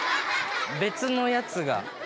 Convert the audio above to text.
別のやつが。